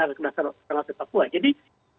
dengan pengasas papua jadi